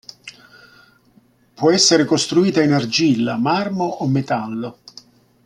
Può essere costruita in argilla, marmo o metallo.